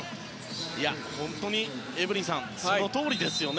本当に、エブリンさんそのとおりですね。